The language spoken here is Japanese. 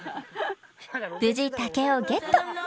［無事竹をゲット！］